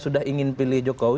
sudah ingin pilih jokowi